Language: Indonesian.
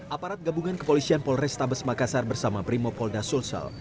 aparat gabungan kepolisian polres tabes makassar bersama primo polda sulsel